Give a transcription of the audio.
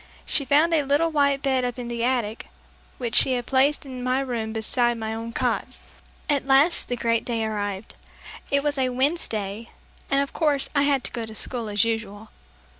She found a little white bed up in the attic which was placed in my room beside my own cot. At last the great day arrived. It was a Wednesday, and of course I had to go to school as usual.